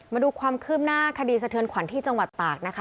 มาดูความคืบหน้าคดีสะเทือนขวัญที่จังหวัดตากนะคะ